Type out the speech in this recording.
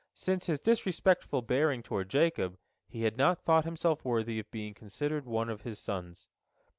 Since his disrespectful bearing toward Jacob, he had not thought himself worthy of being considered one of his sons.